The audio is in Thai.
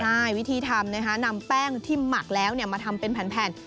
ใช่วิธีทำนะคะนำแป้งที่หมักแล้วมาทำเป็นแผ่น